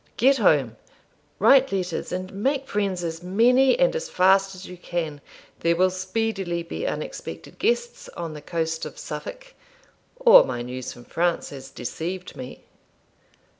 Get home, write letters, and make friends as many and as fast as you can; there will speedily be unexpected guests on the coast of Suffolk, or my news from France has deceived me.'